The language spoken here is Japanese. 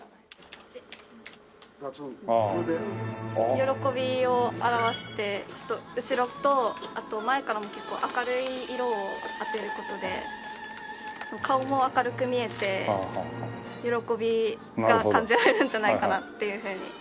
喜びを表して後ろとあと前からも結構明るい色を当てる事で顔も明るく見えて喜びが感じられるんじゃないかなっていうふうに。